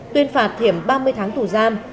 tuyên phạt thiểm ba mươi tháng tù giam